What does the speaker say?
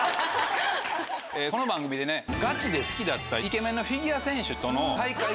この番組でガチで好きだったイケメンのフィギュア選手との再会。